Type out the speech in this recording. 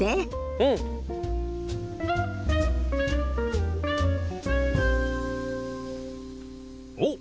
うん！おっ！